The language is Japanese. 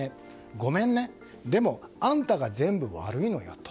ごめんねでも、あんたが全部悪いのよと。